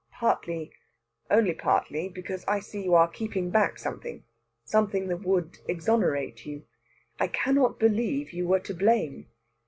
"Partly only partly because I see you are keeping back something something that would exonerate you. I cannot believe you were to blame."